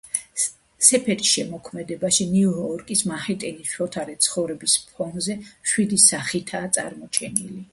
სეფერის შემოქმედებაში ნიუ-იორკი მანჰეტენის მშფოთვარე ცხოვრების ფონზე მშვიდი სახითაა წარმოჩენილი.